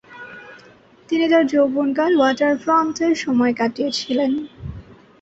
তিনি তার যৌবনকাল ওয়াটারফ্রন্টে সময় কাটিয়েছিলেন।